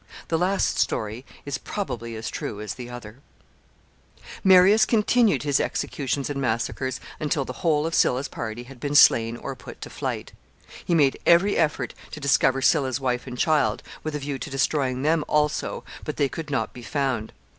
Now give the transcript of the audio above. The last story is probably as true as the other. [Sidenote: Escape of Sylla's wife.] Marius continued his executions and massacres until the whole of Sylla's party had been slain or put to flight. He made every effort to discover Sylla's wife and child, with a view to destroying them also, but they could not be found.